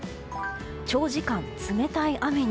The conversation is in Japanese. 長時間、冷たい雨に。